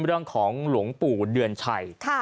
เรื่องของหลวงปู่เดือนชัย